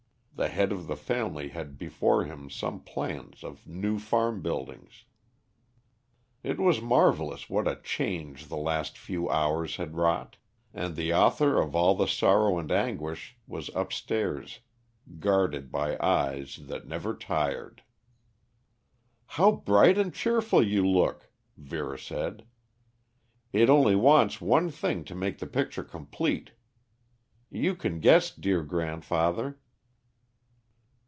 The head of the family had before him some plans of new farm buildings. It was marvelous what a change the last few hours had wrought. And the author of all the sorrow and anguish was upstairs guarded by eyes that never tired. "How bright and cheerful you look," Vera said. "It only wants one thing to make the picture complete. You can guess, dear grandfather."